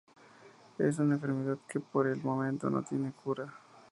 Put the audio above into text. Es una enfermedad que por el momento no tiene cura.